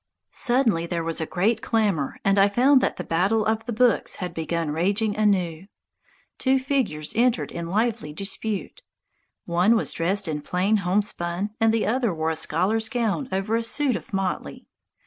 Suddenly there was a great clamour, and I found that "The Battle of the Books" had begun raging anew. Two figures entered in lively dispute. One was dressed in plain homespun and the other wore a scholar's gown over a suit of motley.